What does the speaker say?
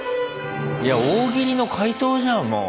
いや大喜利の解答じゃんもう。